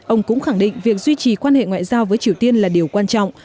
ông cũng khẳng định việc duy trì quan hệ ngoại giao với triều tiên là điều quan trọng